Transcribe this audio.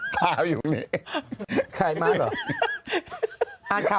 ผ้าอยู่แบบนี้